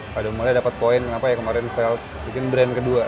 pada mulai dapet poin kenapa kemarin fail bikin brand kedua